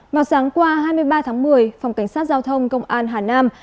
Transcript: vào sáng qua hai mươi ba tháng một mươi phòng cảnh sát giao thông công an hà nam